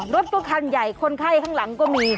รถก็คันใหญ่คนไข้ข้างหลังก็มี